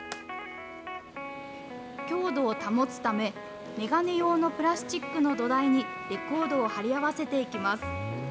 強度を保つため、メガネ用のプラスチックの土台にレコードを貼り合わせていきます。